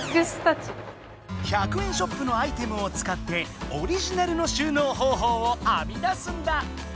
１００円ショップのアイテムを使ってオリジナルの収納方ほうをあみ出すんだ！